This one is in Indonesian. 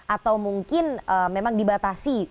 atau mungkin memang dibatasi